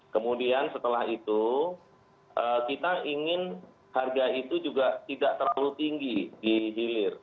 kemudian setelah itu kita ingin harga itu juga tidak terlalu tinggi di hilir